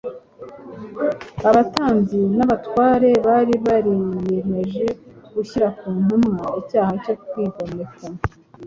Abatambyi n’abatware bari bariyemeje gushyira ku ntumwa icyaha cyo kwigomeka